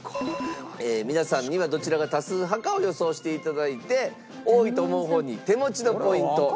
皆さんにはどちらが多数派かを予想していただいて多いと思う方に手持ちのポイントかけていただきます。